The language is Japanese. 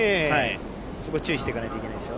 そこ、注意していかないといけないですよ。